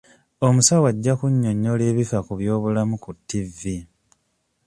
Omusawo ajja kunyonnyola ebifa ku by'obulamu ku ttivvi.